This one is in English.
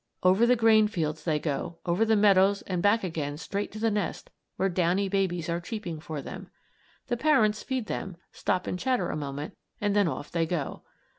Over the grain fields they go, over the meadows and back again straight to the nest where downy babies are cheeping for them. The parents feed them, stop and chatter a moment, and then off they go.